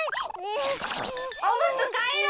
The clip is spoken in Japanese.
「おむつかえろ！